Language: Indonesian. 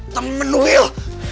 temen lu wil